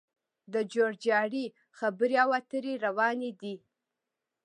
د جوړجاړي خبرې او اترې روانې دي